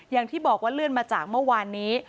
อย่างที่บอกว่าเลื่อนมาจากเมื่อวานนี้